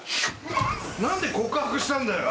何で告白したんだよ？